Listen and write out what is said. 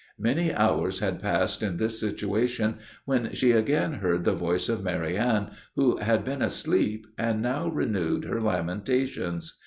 Many hours had passed in this situation, when she again heard the voice of Marianne, who had been asleep, and now renewed her lamentations.